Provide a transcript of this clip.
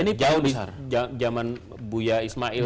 ini jauh nih zaman buya ismail